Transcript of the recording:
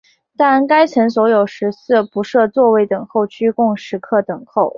但该层所有食肆不设座位等候区供食客等候。